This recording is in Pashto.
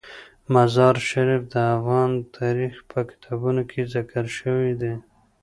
مزارشریف د افغان تاریخ په کتابونو کې ذکر شوی دي.